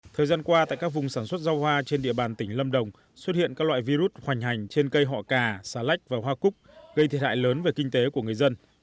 thời gian qua tại các vùng sản xuất rau hoa trên địa bàn tỉnh lâm đồng xuất hiện các loại virus hoành hành trên cây họ cà xà lách và hoa cúc gây thiệt hại lớn về kinh tế của người dân